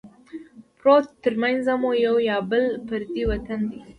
پروت ترمنځه مو یو یا بل پردی وطن دی